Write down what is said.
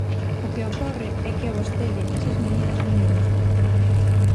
O que ocorre é que a vostede esas medidas non lle gustan.